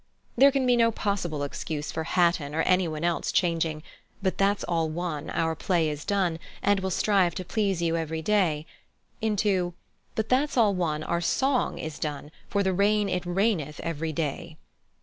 There can be no possible excuse for Hatton or anyone else changing "But that's all one; our play is done, and we'll strive to please you every day," into "But that's all one, our song is done, for the rain it raineth every day."